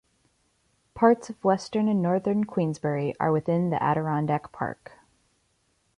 Parts of western and northern Queensbury are within the Adirondack Park.